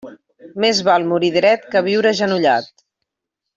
Més val morir dret que viure agenollat.